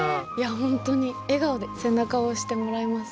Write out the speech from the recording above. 本当に笑顔で背中を押してもらえますね。